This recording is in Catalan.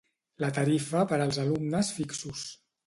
La tarifa per als alumnes fixos.